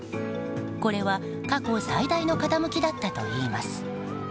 これは過去最大の傾きだったといいます。